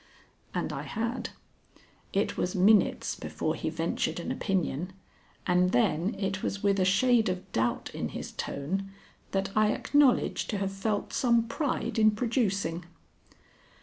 And I had. It was minutes before he ventured an opinion, and then it was with a shade of doubt in his tone that I acknowledge to have felt some pride in producing.